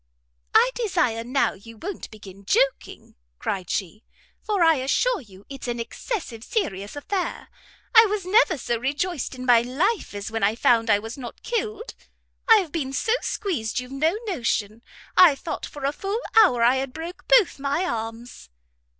"I desire, now, you won't begin joking," cried she, "for I assure you it's an excessive serious affair. I was never so rejoiced in my life as when I found I was not killed. I've been so squeezed you've no notion. I thought for a full hour I had broke both my arms."